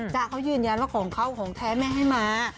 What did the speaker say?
เขายืนยันว่าของเขาของแท้แม่ให้มา